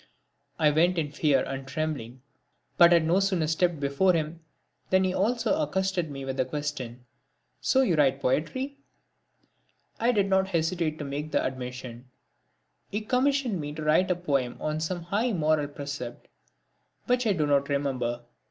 I went in fear and trembling but had no sooner stepped before him than he also accosted me with the question: "So you write poetry?" I did not hesitate to make the admission. He commissioned me to write a poem on some high moral precept which I do not remember.